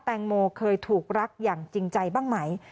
งโมเคยถูกรักอย่างจริงใจบ้างไหม